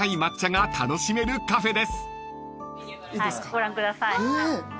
ご覧ください。